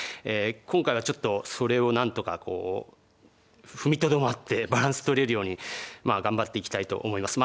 今回はちょっとそれを何とか踏みとどまってバランスとれるように頑張っていきたいと思います。